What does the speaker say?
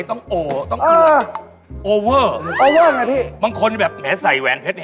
ทำไม